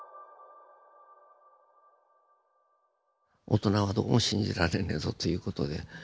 大人はどうも信じられねえぞという事で。